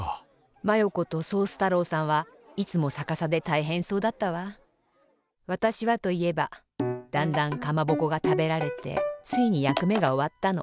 マヨ子とソース太郎さんはいつもさかさでたいへんそうだったわ。わたしはといえばだんだんかまぼこがたべられてついにやくめがおわったの。